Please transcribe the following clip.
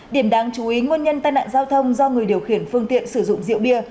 điểm đáng chú ý nguồn nhân tai nạn giao thông do người điều khiển phương tiện sử dụng rượu bia